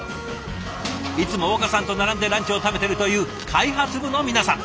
いつも岡さんと並んでランチを食べてるという開発部の皆さん。